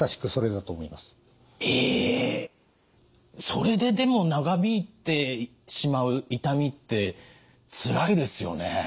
それででも長引いてしまう痛みってつらいですよね。